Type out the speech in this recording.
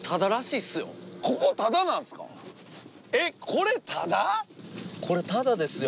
これタダですよ。